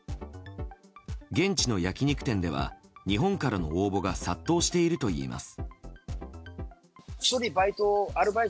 現地の焼き肉店では日本からの応募が殺到しているといいます。